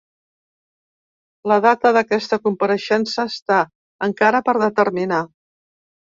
La data d’aquesta compareixença està encara per determinar.